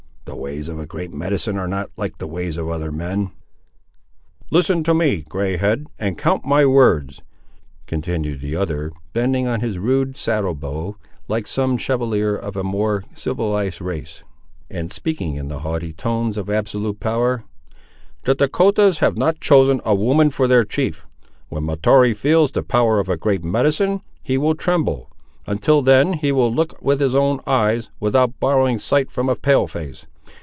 The ways of a great medicine are not like the ways of other men." "Listen to me, grey head, and count my words," continued the other, bending on his rude saddle bow, like some chevalier of a more civilised race, and speaking in the haughty tones of absolute power; "the Dahcotahs have not chosen a woman for their chief; when Mahtoree feels the power of a great medicine, he will tremble; until then he will look with his own eyes, without borrowing sight from a Pale face.